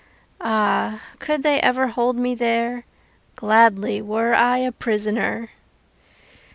Ah, could they ever hold me there Gladly were I a prisoner!